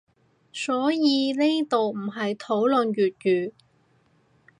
所以呢度唔係討論粵語